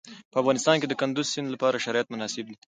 په افغانستان کې د کندز سیند لپاره شرایط مناسب دي.